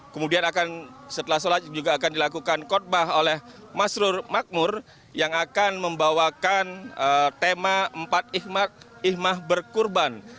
kemudian akan setelah sholat juga akan dilakukan kotbah oleh mas rur makmur yang akan membawakan tema empat ikhmah berkorban